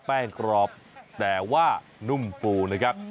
แป้งกรอบแต่ว่านุ่มฟูนะครับ